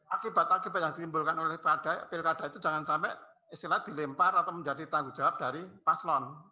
akibat akibat yang ditimbulkan oleh pilkada itu jangan sampai istilah dilempar atau menjadi tanggung jawab dari paslon